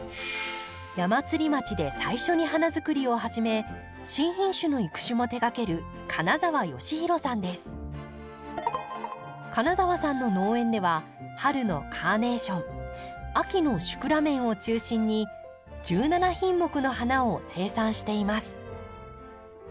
矢祭町で最初に花づくりを始め新品種の育種も手がける金澤さんの農園では春のカーネーション秋のシクラメンを中心に１７品目の花を生産しています。